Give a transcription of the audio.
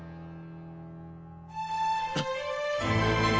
あっ！